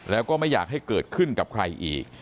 แล้วก็ไม่อยากให้เกิดขึ้นกับใครอีก